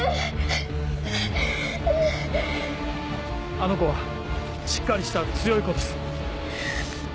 あの子はしっかりした強い子です。